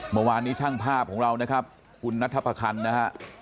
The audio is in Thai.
เมื่อวานนี้ช่างภาพของเรานะครับคุณนัทประคันนะฮะ